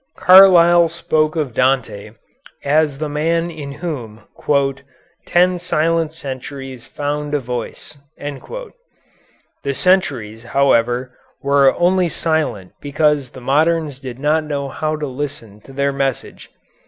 Carlyle spoke of Dante as the man in whom "ten silent centuries found a voice." The centuries, however, were only silent because the moderns did not know how to listen to their message.